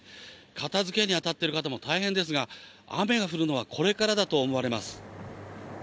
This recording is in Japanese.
片づけに当たっている方も大変ですが、雨が降るのはこれからだと思われます。